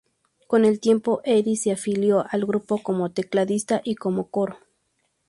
Con el tiempo, Heidi se afilió al grupo como tecladista y como coro.